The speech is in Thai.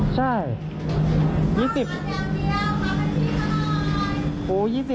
ใช่